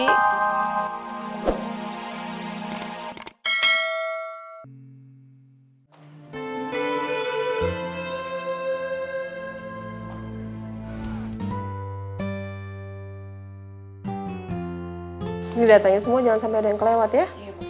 ini datanya semua jangan sampai ada yang kelewat ya